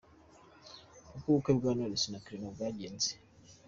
Uko ubukwe bwa Knowless na Clement bwagenze.